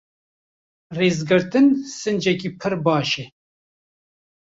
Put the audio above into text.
Rêzgirtin, sincekî pir baş e.